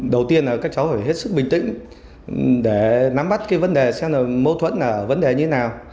đầu tiên là các cháu phải hết sức bình tĩnh để nắm bắt cái vấn đề xem là mâu thuẫn là vấn đề như thế nào